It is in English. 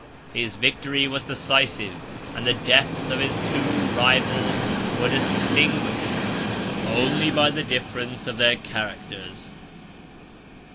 His victory was decisive; and the deaths of his two rivals were distinguished only by the difference of their characters.